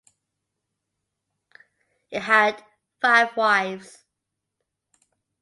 He had five wives.